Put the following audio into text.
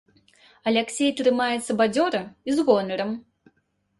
Аляксей трымаецца бадзёра і з гонарам.